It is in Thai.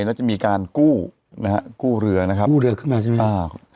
น่าจะมีการกู้นะฮะกู้เรือนะครับกู้เรือขึ้นมาใช่ไหมอ่า